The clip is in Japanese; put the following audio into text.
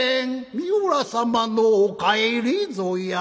「三浦様のお帰りぞや」